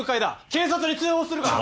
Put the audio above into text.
警察に通報するからな！